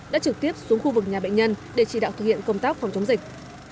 đã trực tiếp xuống khu vực nhà bệnh nhân để chỉ đạo thực hiện công tác phòng chống dịch